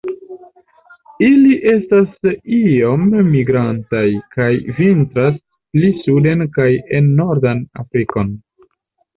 Ili estas iome migrantaj, kaj vintras pli suden kaj en nordan Afrikon.